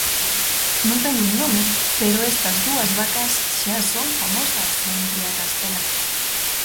Non teñen nome, pero estas dúas vacas xa son famosas en Triacastela.